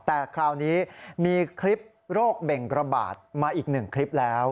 แต่คราวนี้มีคลิปโรคเบ่งกระบาดมาอีกหนึ่งคลิปแล้ว